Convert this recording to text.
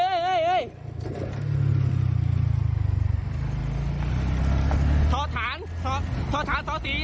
ทอธานทอธานทอธานทอธาน๔